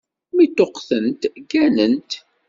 Mi ṭṭuqtent, gganent.